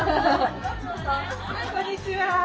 こんにちは。